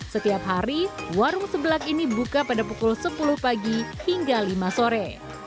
setiap hari warung sebelak ini buka pada pukul sepuluh pagi hingga lima sore